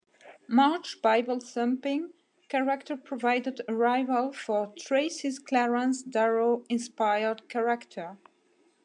March's Bible-thumping character provided a rival for Tracy's Clarence Darrow-inspired character.